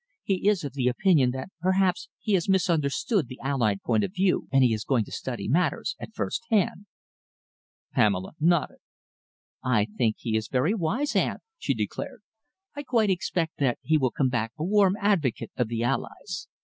He is of the opinion that perhaps he has misunderstood the Allied point of view, and he is going to study matters at first hand." Pamela nodded. "I think he is very wise, aunt," she declared. "I quite expect that he will come back a warm advocate of the Allies.